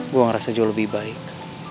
gue ngerasa jauh lebih baik